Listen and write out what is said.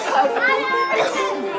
jangan di pegangin